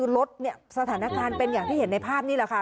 รถเนี่ยสถานการณ์เป็นอย่างที่เห็นในภาพนี้แหละค่ะ